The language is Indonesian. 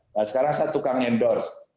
nah sekarang saya tukang endorse